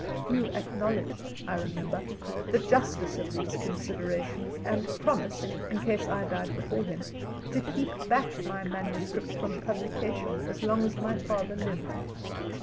You acknowledged, I remember, the justice of these considerations and promised, in case I died before him, to keep back my manuscript from publication as long as my father lived.